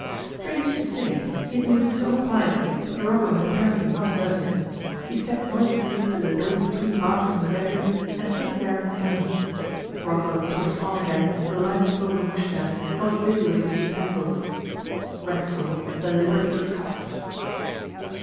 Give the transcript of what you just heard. Strange to say, he had moved so quietly that Rocco had apparently not heard him. He stepped noiselessly to the door between the bathroom and the bedroom, and stood there in silence. Rocco had switched on again the lights over the washstand and was busy with his utensils. Racksole deliberately coughed.